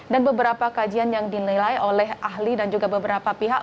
dan beberapa kajian yang dililai oleh ahli dan juga beberapa pihak